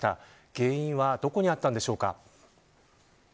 原因はどこにあったんでしょうか。